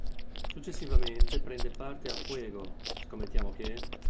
Successivamente prende parte a "Fuego", "Scommettiamo che...?